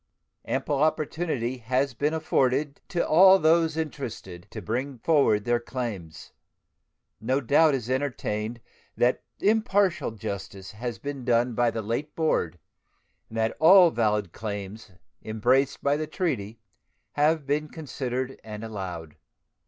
Ample opportunity has been afforded to all those interested to bring forward their claims. No doubt is entertained that impartial justice has been done by the late board, and that all valid claims embraced by the treaty have been considered and allowed.